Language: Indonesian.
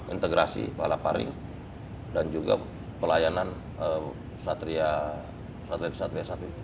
integrasi pala paring dan juga pelayanan satria satri